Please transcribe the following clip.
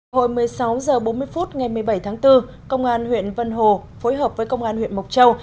hồi một mươi sáu h bốn mươi phút ngày một mươi bảy tháng bốn công an huyện vân hồ phối hợp với công an huyện mộc châu